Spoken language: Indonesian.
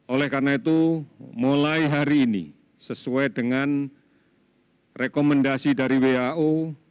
oleh karena itu mulai hari ini sesuai dengan rekomendasi dari wao